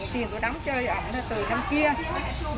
chị trương thị đào trú tại xã nghĩa hưng